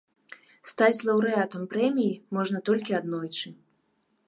Стаць лаўрэатам прэміі можна толькі аднойчы.